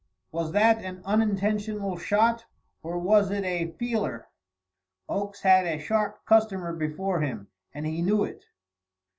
Was that an unintentional shot, or was it a "feeler"? Oakes had a sharp customer before him, and he knew it.